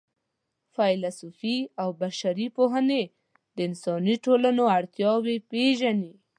فېلسوفي او بشري پوهنې د انساني ټولنو اړتیاوې پېژني.